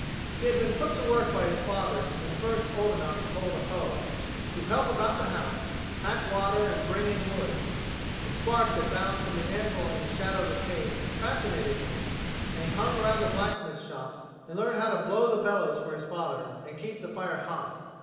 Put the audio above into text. He had been put to work by his father when first old enough to hold a hoe, to help about the house, pack water and bring in wood. The sparks that bounced from the anvil in the shadow of the cave fascinated him and he hung around the blacksmith's shop and learned to blow the bellows for his father and keep the fire hot.